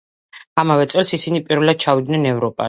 ამავე წელს ისინი პირველად ჩავიდნენ ევროპაში.